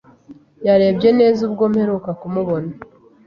Yarebye neza ubwo mperuka kumubona.